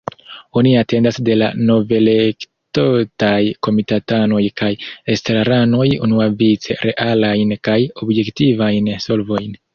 Oni atendas de la novelektotaj komitatanoj kaj estraranoj unuavice realajn kaj objektivajn solvojn.